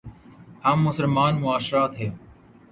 ہم مسلمان معاشرہ تھے۔